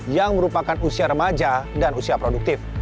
yang merupakan usia remaja dan usia produktif